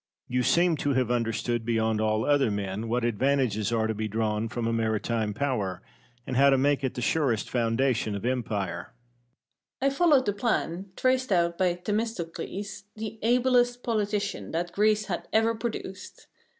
Cosmo. You seem to have understood beyond all other men what advantages are to be drawn from a maritime power, and how to make it the surest foundation of empire. Pennies. I followed the plan, traced out by Themistocles, the ablest politician that Greece had ever produced.